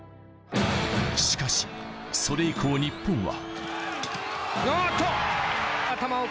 しかし、それ以降日本は。